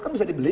kan bisa dibeli